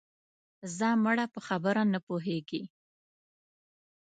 ځه مړه په خبره نه پوهېږې